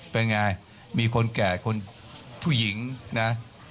เป็นอย่างไรมีคนแก่ผู้หญิงนะ